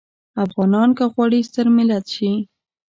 افغانان که غواړي ستر ملت شي.